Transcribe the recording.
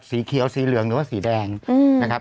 สีเขียวสีเหลืองหรือว่าสีแดงนะครับ